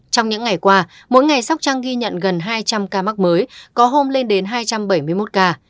trong những ngày qua mỗi ngày sóc trăng ghi nhận gần hai trăm linh ca mắc mới có hôm lên đến hai trăm bảy mươi một ca